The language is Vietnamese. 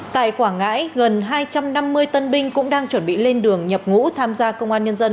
tại quảng ngãi gần hai trăm năm mươi tân binh cũng đang chuẩn bị lên đường nhập ngũ tham gia công an nhân dân